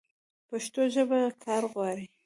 پښتو ژبه کار غواړي.